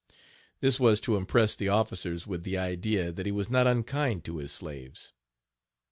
This was to impress the officers with the idea that he was not unkind to his slaves.